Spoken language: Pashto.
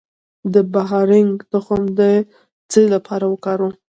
د بارهنګ تخم د څه لپاره وکاروم؟